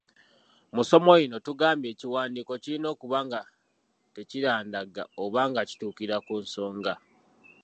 Mu ssomo lino tugambye ekiwandiiko kirina okuba nga tekirandagga oba nga kituukira ku nsonga.